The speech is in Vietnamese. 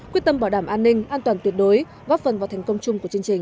quyết tâm bảo đảm an ninh an toàn tuyệt đối góp phần vào thành công chung của chương trình